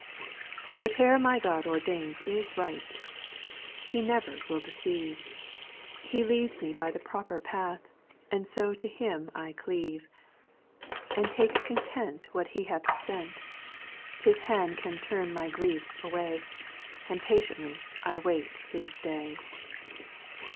2 Whatever my God ordains is right ! He never will deceive ; He leads me by the proper path. And so to Him I cleave. SPIRITUAL SONGS, 346 And take content What He hath sent ;— His hand can turn my griefs away, And patiently I wait His day.